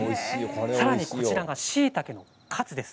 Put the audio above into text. さらにこちらしいたけのカツです。